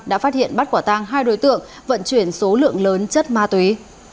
đã phát hiện bắt quả tang hai đối tượng vận chuyển số lượng lớn chất ma túy